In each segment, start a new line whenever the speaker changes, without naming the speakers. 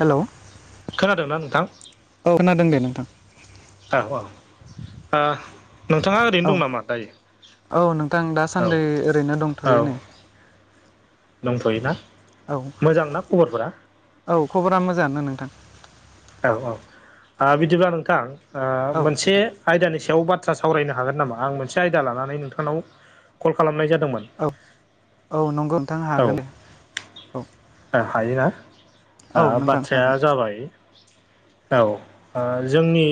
Hello
खोनादोंना नोंथां
औ खोनादों दे नोंथां
औ औ आ नोंथाङा ओरैनो
औ
दं नामा
औ नोंथां
दायो
दासान्दि ओरैनो
औ औ
दंथ'यो नै
दंथ'योना
औ
मोजांना खबरफोरा
औ खबरा मोजाङानो नोंथां
औ औ आ बिदिब्ला नोंथां आ
औ
मोनसे
नोंथां
आयदानि सायाव बाथ्रा सावरायनो हागोन नामा आं मोनसे आयदा लानानै नोंथांनाव कल खालामनाय जादोंमोन
औ औ नंगौ नोंथां
औ ओ
हागोन औ
हायोना
औ
आ
नोंथां हागोन
बाथ्राया जाबाय औ ओ जोंनि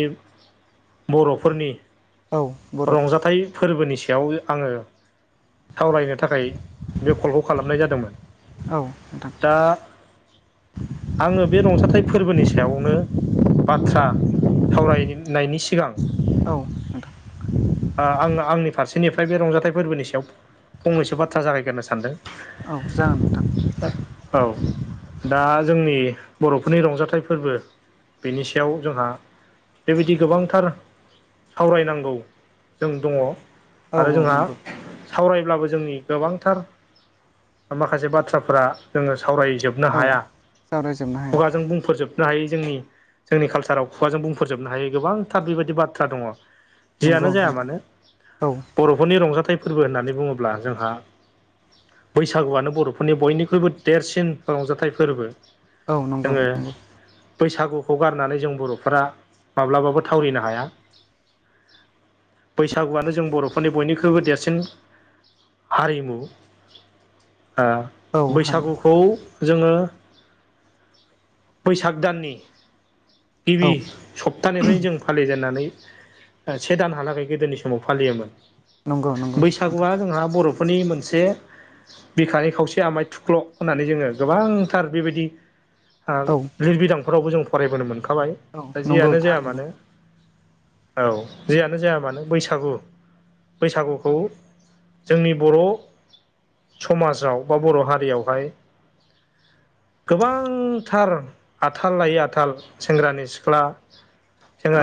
बर'फोरनि
औ बर'
रंजाथाइ फोरबोनि सायाव आङो सावरायनो थाखाय बे कलखौ खालामनाय जादोंमोन
औ नोंथां
दा आङो बे रंजाथाइ फोरबोनि सायावनो बाथ्रा सावरायनायनि सि सिगां
औ नोंथां
आ आङो आंनि फारसेनिफ्राय बे रंजाथाइ फोरबोनि सायाव फंनैसो बाथ्रा जागायगोरनो सानदों
औ जागोन नोंथां।
[unintelligible] औ दा जोंनि बर'फोरनि रंजाथाइ फोरबो बेनि सायाव जोंहा बेबायदि गोबांथार सावरायनांगौ जों दङ
औ
आरो
औ
जोंहा
नंगौ नोंथां
सावरायब्लाबो जोंनि गोबांथार ओ माखासे बाथ्राफोरा जोङो सावरायजोब बनो
औ
हाया
सावरायजोबनो हाया
खुगाजों बुंफोरजोब नो हायै जोंनि जोंनि खालसाराव खुगाजों बुंफोरजोबनो हायो गोबांथार बेबायदि बाथ्रा दङ। जियानो
नंगौ
जाया
नोंथां
मानो
औ
बर'फोरनि रंजाथाइ फोरबो होननानै बुङोब्ला जोंहा बैसागुआनो बर'फोरनि बयनिख्रुइबो देरसिन रंजाथाइ फोरबो।
औ नंगौ
जोङो
नंगौ
बैसागुखौ गारनानै जों बर'फोरा माब्लाबाबो थावरिनो हाया। बैसागुआनो जों बर'फोरनि बयनिख्रुइबो देर सिन हारिमु आ
औ हारि
बैसागुखौ जोङो बैसाग दाननि गिबि
औ
सप्तानिफ्रायनो जों फालिजेननानै से दानहालागै गोदोनि समाव फालियोमोन।
नंगौ नंगौ नोंथां
बैसागुआ जोंहा बर'फोरनि मोनसे बिखानि खावसे आमाय थुख्ल' होननानै जोङो गोबांथार बेबायदि आ
औ
लिरबिदांफोरावबो जों फरायबोनो मोनखाबाय
औ
दा
नंगौ
जियानो जाया
थारैनो
मानो औ जेयानो जाया मानो बैसागु बैसागुखौ जोंनि बर' समाजाव बा बर' हारियावहाय गोबांथार आथाल लायै आथाल सेंग्रानि सिख्ला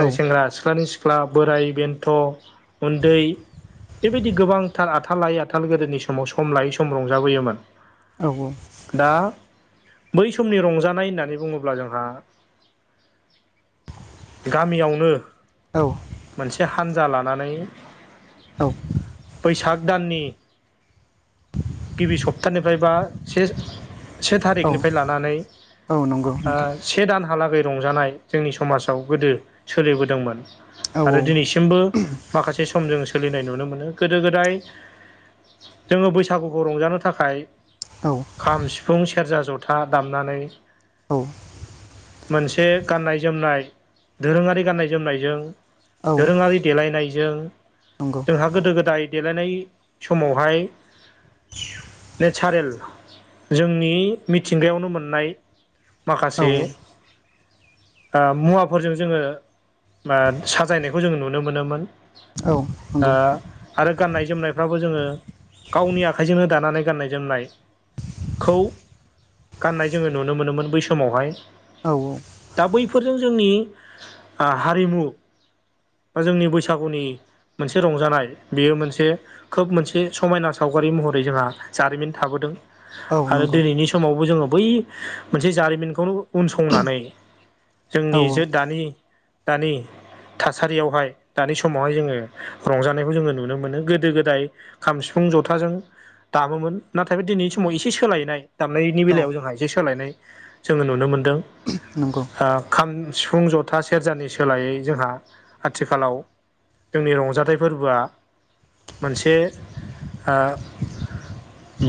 औ
सेंग्रा सिख्लानि सिख्ला बोराइ बेन्थ' उन्दै बेबायदि गोबांथार आथाल लायै आथाल गोदोनि समाव सम लायै सम रंजाबोयोमोन।
औ औ।
दा बै समनि रंजानाय होननानै बुङोब्ला जोंहा गामियावनो
औ।
मोनसे हानजा लानानै
औ।
बैसाग दाननि गिबि सप्तानिफ्राय बा से
औ
थारिखनिफ्राय लानानै
औ नंगौ
आ
नोंथां
से दानहालागै रंजानाय जोंनि समाजाव गोदो सोलिबोदोंमोन
औ
आरो दिनैसिम बो माखासे समजों सोलिनाय नुनो मोनो गोदो गोदाय जोङो बैसागुखौ रंजानो थाखाय
औ।
खाम सिफुं सेरजा जथा दामनानै
औ।
मोनसे गाननाय जोमनाय दोरोङारि गाननाय जोमनायजों
औ
दोरोङारि देलायनायजों
नंगौ
जोंहा गोदो गोदाय देलायनाय समावहाय नेचारेल जोंनि मिथिंगायावनो मोननाय
औ
माखासे आ मुवाफोरजों जोङो बा साजायनायखौ जोंङ नुनो मोनोमोन
औ नंगौ
आरो गाननाय जोमनायफ्राबो जोङो गावनि आखाइजोंनो दानानै गाननाय जोमनाय खौ गाननाय जोङो नुनो मोनोमोन बै समावहाय
औ औ।
दा बैफोरजों जोंनि आ हारिमु बा जोंनि बैसागुनि मोनसे रंजानाय बेयो मोनसे खोब मोनसे समायना सावगारि महरै जोंहा जारिमिन थाबोदों
औ
आरो
नंगौ
दिनैनि समावबो जोङो बै मोनसे जारिमिनखौनो उनसंनानै
औ
जोंनि जे दानि दानि थासारियावहाय दानि समावहाय जोंङो रंजानायखौ जोंङो नुनो मोनो गोदो गोदाय खाम सिफुं जथाजों दामोमोन नाथाय बे दिनैनि समाव एसे सोलायनाय दामनायनि
औ
बेलायाव जोंहा एसे सोलायनाय जोङो नुनो मोनदों
नंगौ
खाम सिफुं जथा सेरजानि सोलायै जोंहा आथिखालाव जोंनि रंजाथाइ फोरबोआ मोनसे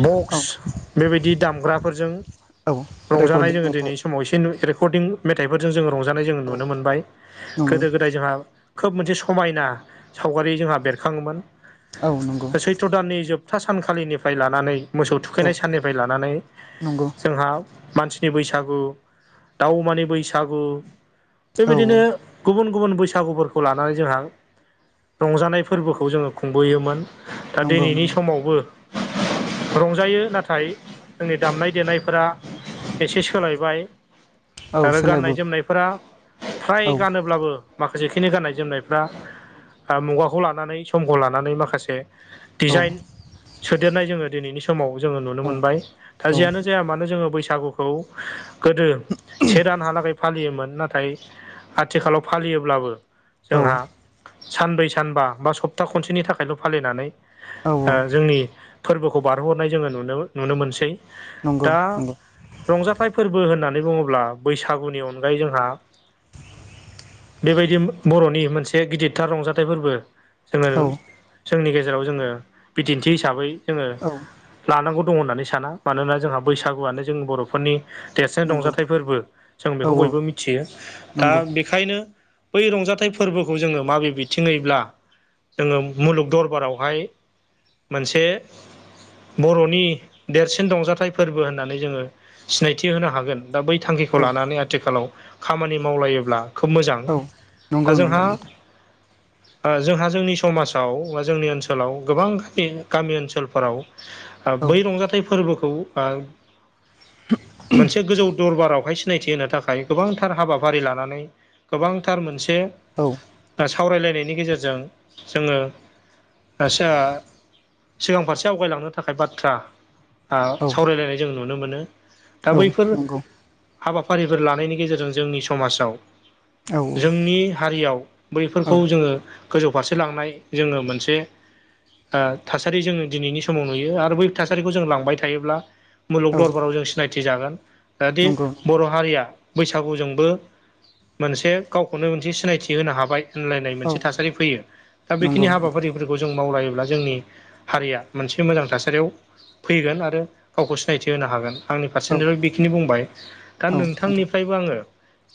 बक्स
औ
बेबायदि दामग्राफोरजों
औ
रंजानाय
रेकर्डिं
जोङो
मेथाइ
दिनै स समाव एसे रेकर्डिं मेथाइफोरजों जोङो रंजानाय जों
औ
नुनो मोनबाय
नंगौ
गोदो गोदाय जोंहा खोब मोनसे समायना सावगारि जोंहा बेरखाङोमोन
औ नंगौ
सैथ्र' दाननि जोबथा सानखालिनिफ्राय लानानै मोसौ
औ
थुखैनाय साननिफ्राय लानानै
नंगौ
जोंहा मानसिनि बैसागु दाउ अमानि बैसागु
औ
बेबायदिनो गुबुन गुबुन बैसागुफोरखौ लानानै जोंहा रंजानाय फोरबोखौ जोङो खुंबोयोमोन दा
नंगौ
दिनैनि
नंगौ
समावबो रंजायो नाथाय जोंनि दामनाय देनायफोरा एसे सोलायबाय
औ
आरो गाननाय
सोलायबोबाय
जोमनायफोरा फ्राय
औ
गानोब्लाबो माखासेखिनि गाननाय जोमनायफ्रा मुगाखौ लानानै समखौ लानानै माखासे
औ
डिजाइन सोदेरनाय जोंङो दिनैनि सम समाव जोंङो नुनो मोनबाय दा
औ
जियानो जाया मानो जोङो बैसागुखौ गोदो से दानहालागै फालियोमोन नाथाय आथिखालाव फालियोब्लाबो
औ
जोंहा सानब्रै सानबा बा सप्ता खनसेनि थाखायल' फालिनानै
औ
जोंनि फोरबोखौ बारहरनाय जोंङो नुनो नुनो मोनसै
नंगौ
दा
नंगौ
रंजाथाइ फोरबो होननानै बुङोब्ला बैसागुनि अनगायै जोंहा बेबायदि बर'नि मोनसे गिदिरथार रंजाथाइ फोरबो जोङो
औ
जोंनि गेजेराव जोङो बिदिन्थि हिसाबै जोङो
औ
लानांगौ दङ होननानै साना मानोना जोंहा बैसागुआनो जों बर'फोरनि देरसिन
नंगौ
रंजाथाइ फोरबो जों
औ
बेखौ बयबो मिथियो दा
नंगौ
बे बेनिखायनो बै रंजाथाइ फोरबोखौ जोङो माबे ज बिथिङैब्ला जोंङो मुलुग दरबारावहाय मोनसे बर'नि देरसिन रंजाथाइ फोरबो होननानै जोंङो सिनायथि होनो हागोन दा बै थांखिखौ
औ
लानानै आथिखालाव खामानि मावलायोब्ला खोब मोजां
औ
दा
नंगौ नंगौ
जोंहा
नोंथां
जोंहा जोंनि समाजाव बा जोंनि ओनसोलाव गोबां गामि गामि ओनसोलफोराव
औ
बै रंजाथाइ फोरबोखौ मोनसे गोजौ दरबारावहाय- -सिनायथि होनो थाखाय गोबांथार हाबाफारि लानानै गोबांथार मोनसे
औ
सावरायलायनायनि गेजेरजों जोङो आसा सिगां फारसे आवगायलांनो थाखाय बाथ्रा आ
औ
सावरायलायनाय जों नुनो मोनो दा बैफोर
नंगौ
हाबाफारिफोर लानायनि गेजेरजों जोंनि समाजाव
औ
जोंनि हारियाव
औ
बैफोरखौ जोङो गोजौ फारसे लांनाय जोङो मोनसे थासारि जोङो दिनैनि समाव नुयो आरो बै थासारिखौ जों लांबाय थायोब्ला मुलुग
औ
दरबाराव जों सिनायथि जागोन जे
नंगौ औ
बर' हारिया बैसागुजोंबो मोनसे गावखौनो मोनसे सिनायथि होनो हाबाय होनलायनाय
औ
मोनसे थासारि फैयो। दा
नंगौ
बेखिनि
नोंथां
हाबाफारि फोरखौ जों मावलायोब्ला जोंनि हारिया मोनसे मोजां थासारियाव फैगोन आरो गावखौ सिनायथि होनो हागोन। आंनि
औ
फारसेनिफ्राय बेखिनि बुंबाय। दा
औ नोंथां
नोंथांनिफ्रायबो आङो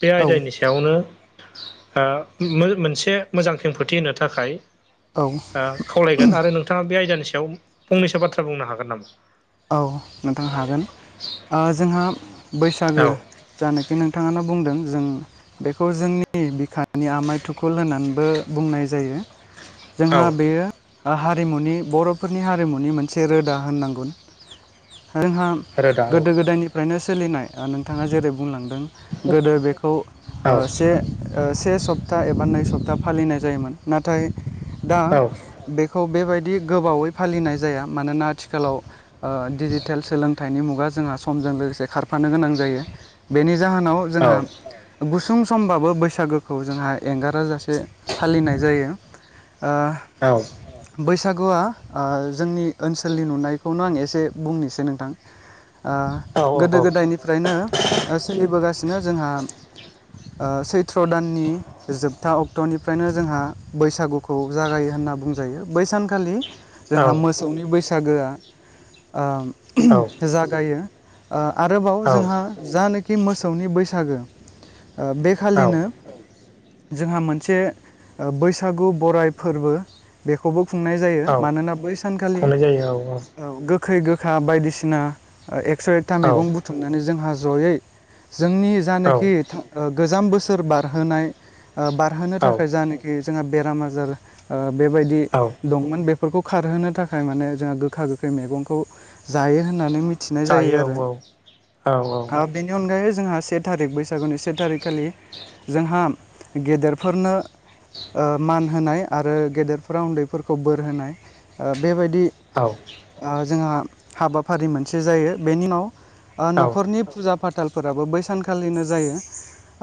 बे
औ
आयदानिसिम बेयावनो आ मो-मोनसे मोजां खेंफोरथि होनो थाखाय
औ
आ खावलायगोन आरो नोंथाङा बे आयदानि सायाव फंनैसो बाथ्रा बुंनो हागोन नामा?
औ, नोंथां हागोन। जोंहा
औ
बैसागो जानाखि नोंथाङानो बुंदों जों बेखौ जोंनि बिखानि आमाय थुखुल होननानैबो बुंनाय जायो।
औ
जोंहा बेयो ओ हारिमुनि बर'फोरनि हारिमुनि मोनसे रोदा होननांगोन जोंहा
रोदा औ
गोदो-गोदायनिफ्रायनो सोलिनाय ओ नोंथाङा जेरै बुंलां दों गोदो बेखौ
औ
ओ से सप्ता एबा नै सप्ता फालिनाय जायोमोन। नाथाय दा
औ
बे खौ बेबायदि गोबावै फालिनाय जाया। मानोना आथिखालाव ओ डिजिटेल सोलोंथाइनि मुगा जोंहा समजों लोगोसे खारफानो गोनां जायो। बेनि जाहोनाव
औ
जोंहा गुसुं समबाबो बैसागोखौ जोंहा एंगारा जासि फालिनाय जायो। ओ
औ
बैसागुआ ओ जोंनि ओनसोलनि नुनायखौनो आं एसे बुंनोसै नोंथां। ओ
औ
गोदो-गोदायनिफ्रायनो सोलिबोगासिनो जोंहा ओ सैथ्र दाननि जोबथा अक्टनिफ्रायनो जोंहा बैसागुखौ जागायो होनना बुंजायो। बै सानखालि जोंहा मोसौनि बैसागोआ ओ जागायो ओ आरोबाव
औ औ
जोंहा जानाखि मोसौनि बैसागो ओ
औ
बेखालिनो जोंहा मोनसे ओ बैसागु बराइ फोरबो बेखौबो खुंनाय जायो।
औ
मानोना बै सानखालि
खुंनाय जायो औ
औ गो‌ खै-गोखा बायदिसिना एक्स-एक्था
औ
मैगं बुथुमनानै जोंहा जयै जोंनि
औ
जानाखि ओ गोजाम बोसोर बारहोनाय ओ बारहोनो
औ
थाखाय जानाखि जोंहा बेराम आजार ओ बेबायदि
औ
दंमोन बे‌ फोरखौ खारहोनो थाखाय माने जोंहा गोखा-गोखै मैगंखौ जायो होननानै मि थिनाय जायो
औ
आरो। बेनि अनगायै जोंहा से थारिक बैसागुनि से थारिकखालि जोंहा गेदेरफोरनो ओ मान होनाय आरो गेदेरफोरा उन्दैफोरखौ बोर होनाय ओ बेबायदि
औ
ओ जोंहा हाबाफारि मोनसे जायो बेनि उनाव ओ
औ
नखरनि फुजा-फा थालफोराबो बै सानखालिनो जायो।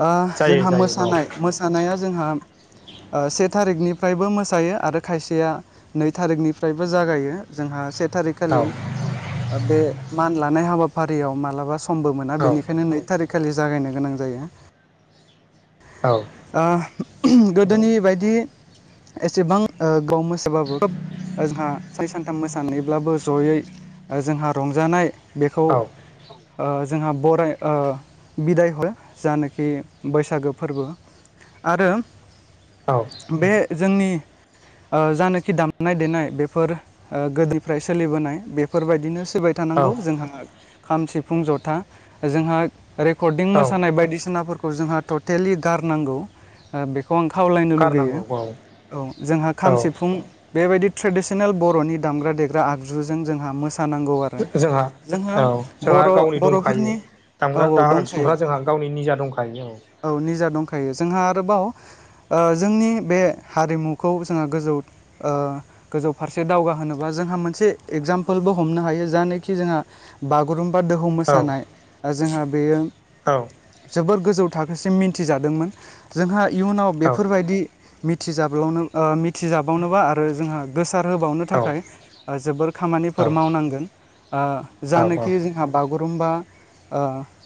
ओ
जायो
जोंहा
जायो औ
मोसानाय मो‌ सानाया जोंहा ओ से थारिखनिफ्रायबो मोसायो आरो खायसेया नै थारिखनिफ्रायबो जागायो जोंहा से थारिख
औ
खालि बे मान लानाय हाबाफारियाव मालाबा समबो मोना।
औ
बेनिखायनो नै थारिख खालि जागायनो गोनां जायो।
औ
ओ गोदोनि बायदि एसेबां गोबाव मोसाबाबो खोब जोंहा साननै सानथाम मोसानायब्लाबो जयै जोंहा रंजानाय बेखौ ओ जोंहा बराय ओ बिदाय हरो‌ जानाखि बैसागो फोरबो आरो
औ
बे जोंनि ओ जानाखि दामनाय-देनाय बेफोर ओ गोदोनिफ्राय सो सोलिबोनाय बेफोरबायदिनो सिबाय
औ
थानांगौ जोंहा खाम सिफुं जथा जोंहा रेकर्डिं
औ
मोसानाय बायदिसिनाफोरखौ जोंहा टटेलि गारनांगौ ओ बे खौ आं खावलायनो लुगैयो
गारनांगौ औ
औ जोंहा
औ
खाम सिफुं बेबायदि ट्रेडिसनेल बर'नि दामग्रा देग्रा आगजुजों जोंहा मोसानांगौ आ
जोंहा औ जोंहा गावनि दंखायो
बर'फोरनि औ
दामग्रा
औ
दा
दंखायो
आगजुफ्रा जोंहा गावनि निजा दंखायो
औ निजा दंखायो जोंहा आरोबाव ओ जोंनि बे हारिमुखौ जोंहा गोजौ ओ गोजौ फारसे दावगा होनोब्ला जोंहा मोनसे एगजामपोलबो हमनो हायो जानोखि जोंहा बागुरुम्बा दोहौ
औ
मोसानाय ओ जोंहा बेयो
औ
जोबोर गोजौ थाखोसिम मिथिजादोंमोन जोंहा इयुनाव
औ
बेफोरबायदि मिथिजाब्लावनो मिथिजाबावनोबा आरो जोंहा गोसार होबावनो
औ
थाखाय जोबोर
औ
खामानिफोर मावनांगोन ओ
औ
जानोखि जोंहा बागुरुमबा ओ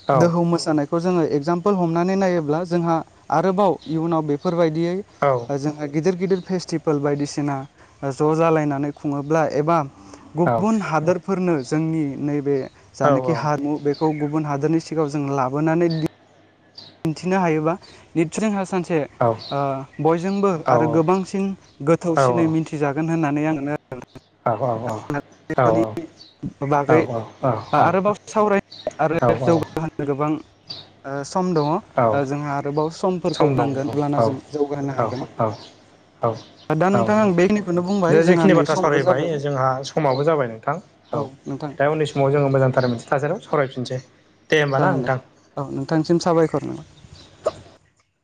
औ
दोहौ मोसानाय खौ जोङो एगजामपोल हमनानै नायोब्ला जोंहा आरोबाव इयुनाव बेफोरबायदियै
औ
जोंहा गिदिर गिदिर फेस्टिभेल बायदिसिना ओ ज' जालायनानै खुङोब्ला एबा
औ
गुबुन हादोरफोरनो जोंनि नैबे जानोखि हारिमु बे खौ गुबुन हादोरनि सिगाङाव जों लाबोनानै दिन्थिनो हायोबा नित्सय जोंहा सानसे ओ बयजोंबो आरो गोबांसिन गोथौसिनै मिथिजागोन होननानै आं नोंनो
औ औ औ
बेबादि बागै आरोबाव सावराय आरो
औ
जौगाहोनो [unintelligible] गोबां ओ सम दङ
औ
ओ जोंहा आरोबाव
सम
समफोरखौ
दं
नांगोन
दं
अब्लाना
औ
जों जौगाहोनो
औ
हागोन
औ
दा
औ
नोंथां आं बेखिनिखौनो बुंबाय
दा
जोंहा
जेखिनि
नै
बाथ्रा
समाबो जाबाय
सावरायबाय जोंहा समाबो जाबाय नोंथां औ दा उननि समाव जोङो मोजांथार मोनसे थासारियाव सावरायफिनसै दे होमबा ना
जागोन दे
नोंथां
औ नोंथांसिम साबायखर